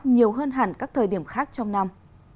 nhiều hơn hẳn các thời điểm khác trong năm